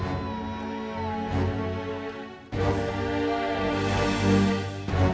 kamu satu bukuli